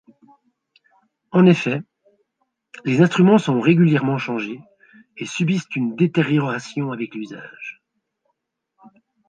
En effet, les instruments sont régulièrement changés et subissent une détérioration avec l'usage.